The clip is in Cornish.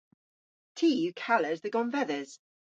Ty yw kales dhe gonvedhes.